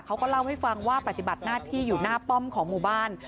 เขาก็เล่าให้ฟังว่าปฏิบัติหน้าที่อยู่หน้าป้อมของหมู่บ้าน